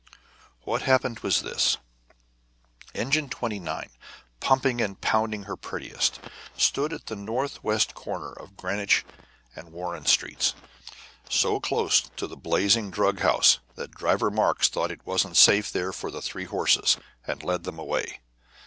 What happened was this: Engine 29, pumping and pounding her prettiest, stood at the northwest corner of Greenwich and Warren streets, so close to the blazing drug house that Driver Marks thought it wasn't safe there for the three horses, and led them away.